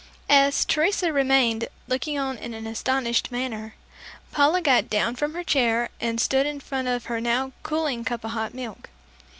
As Teresa remained, looking on in an astonished manner, Paula got down from her chair and stood in front of her now cooling cup of hot milk.